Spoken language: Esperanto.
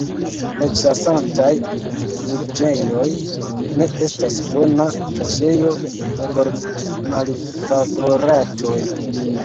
Eĉ la sanktaj rifuĝejoj ne estas bona kaŝejo por malfavoratoj!